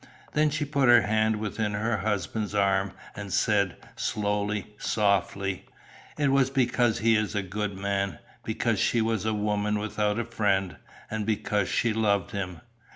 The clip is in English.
Then she put her hand within her husband's arm, and said, slowly, softly: "It was because he is a good man; because she was a woman without a friend, and because she loved him."